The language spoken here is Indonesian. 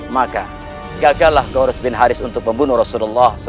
maka gagallah ghawras bin harith untuk membunuh rasulullah saw